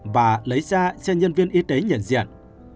và lấy ra xem nhân viên y tế nhận diện